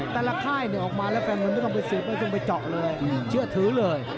แต่ละค่ายเนี่ยออกมาแล้วแฟนนามนูก็จึงขึ้นไปจ๊ะจับถึงเลย